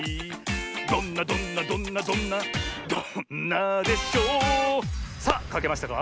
どんなどんなどんなどんなどんなでしょさあかけましたか？